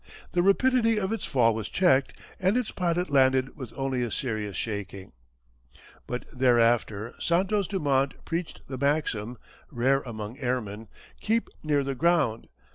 The rapidity of its fall was checked, and its pilot landed with only a serious shaking. But thereafter Santos Dumont preached the maxim rare among airmen "Keep near the ground.